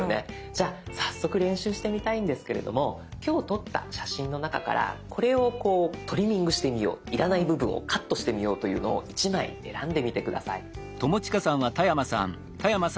じゃあ早速練習してみたいんですけれども今日撮った写真の中からこれをこうトリミングしてみよう要らない部分をカットしてみようというのを１枚選んでみて下さい。